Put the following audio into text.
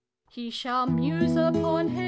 He shall mnse upon ' Hey